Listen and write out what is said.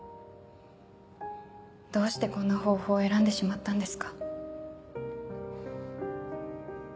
どうしてこんな方法を選んでしまったんですか？